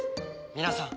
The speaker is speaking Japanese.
皆さん